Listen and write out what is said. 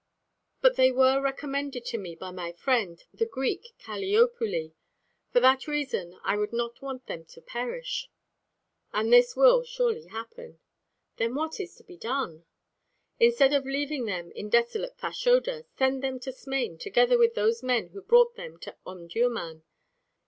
But they were recommended to me by my friend, the Greek Kaliopuli; for that reason I would not want them to perish." "And this will surely happen." "Then what is to be done?" "Instead of leaving them in desolate Fashoda, send them to Smain together with those men who brought them to Omdurmân.